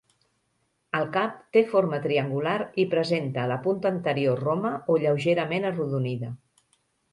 El cap té forma triangular i presenta la punta anterior roma o lleugerament arrodonida.